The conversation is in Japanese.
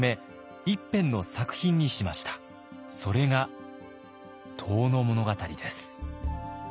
それが「遠野物語」です。